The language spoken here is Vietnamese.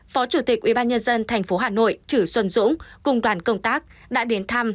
phó chủ tịch ubnd tp hà nội chử xuân dũng cùng đoàn công tác đã đến thăm